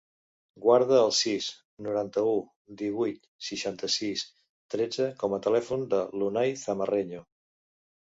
Guarda el sis, noranta-u, divuit, seixanta-sis, tretze com a telèfon de l'Unai Zamarreño.